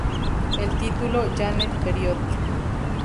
El título, "Janet, period.